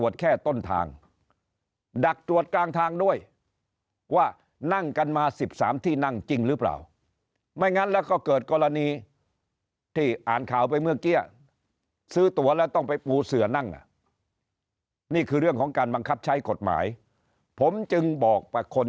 เสือนั่งนี่คือเรื่องของการบังคับใช้กฎหมายผมจึงบอกไปคน